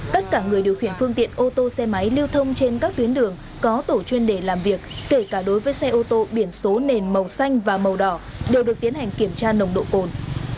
tất cả người điều khiển phương tiện ô tô xe máy lưu thông trên các tuyến đường có tổ chuyên đề làm việc kể cả đối với xe ô tô biển số nền màu xanh và màu đỏ đều được tiến hành kiểm tra nồng độ cồn